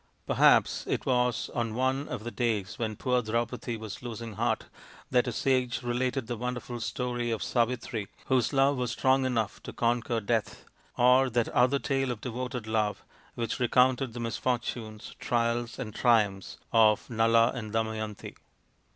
Perhaps it was on one of the days when poor Draupadi was losing heart that a sage related the wonderful story of Savitri, whose love was strong enough to conquer death, or that other tale of devoted love which recounted the misfortunes, trials, and triumphs of Nala and Damayanti.